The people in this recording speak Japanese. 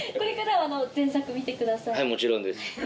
はいもちろんです。